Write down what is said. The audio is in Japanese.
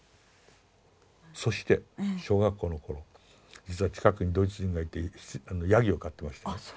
そして小学校の頃実は近くにドイツ人がいてヤギを飼ってましてね。